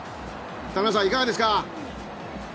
田中さん、いかがですか。